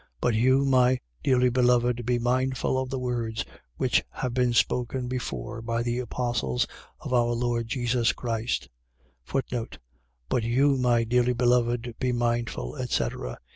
1:17. But you, my dearly beloved, be mindful of the words which have been spoken before by the apostles of our Lord Jesus Christ: But you, my dearly beloved, be mindful, etc. ..